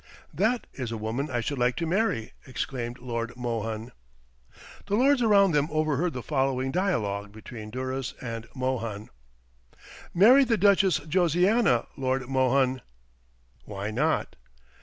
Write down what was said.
"That is a woman I should like to marry!" exclaimed Lord Mohun. The lords around them overheard the following dialogue between Duras and Mohun: "Marry the Duchess Josiana, Lord Mohun!" "Why not?"